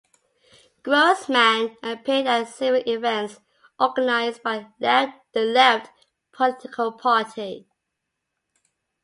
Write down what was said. Grossmann appeared at several events organised by The Left political party.